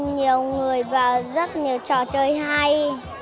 nhiều người và rất nhiều trò chơi hay